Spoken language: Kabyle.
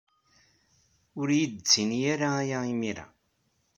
Ur iyi-d-ttini ara aya imir-a.